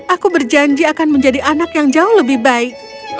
aku berjanji akan menjadi anak yang jauh lebih baik